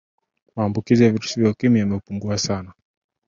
maambukizi ya virusi vya ukimwi yamepungua sana